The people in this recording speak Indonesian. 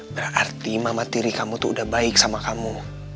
berarti mama tiri kamu tuh udah baik sama kamu